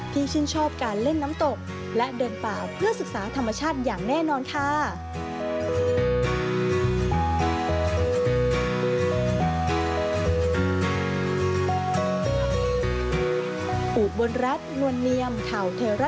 ชื่นชอบการเล่นน้ำตกและเดินป่าเพื่อศึกษาธรรมชาติอย่างแน่นอนค่ะ